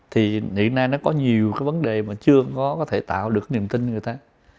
thì hiện nay nó có nhiều cái vấn đề mà chưa có thể tạo được niềm tin người ta